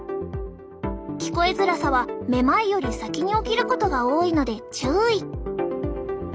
聞こえづらさはめまいより先に起きることが多いので注意！